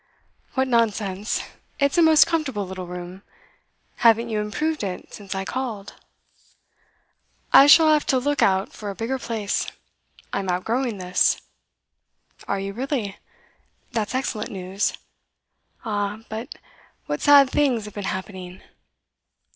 'What nonsense! It's a most comfortable little room. Haven't you improved it since I called?' 'I shall have to look out for a bigger place. I'm outgrowing this.' 'Are you really? That's excellent news. Ah, but what sad things have been happening!